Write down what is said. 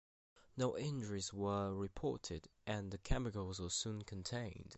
No injuries were reported, and the chemicals were soon contained.